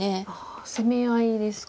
攻め合いですか？